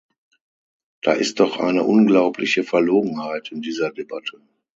Da ist doch eine unglaubliche Verlogenheit in dieser Debatte!